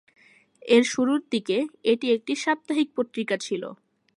এর শুরুর দিকে এটি একটি সাপ্তাহিক পত্রিকা ছিল।